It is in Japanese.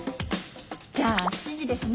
「じゃあ７時ですね！